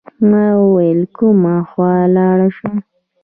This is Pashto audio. ما ویل کومه خوا لاړ شم.